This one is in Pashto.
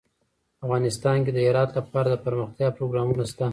افغانستان کې د هرات لپاره دپرمختیا پروګرامونه شته.